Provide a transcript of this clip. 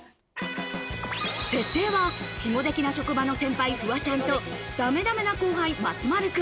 設定は、しごできな職場の先輩フワちゃんと、ダメダメな後輩・松丸君。